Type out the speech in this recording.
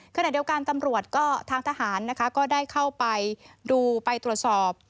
ขณะเดียวกันทางทหารก็ได้เข้าไปดูไปตรวจสอบ